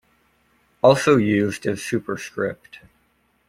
Also used as superscript.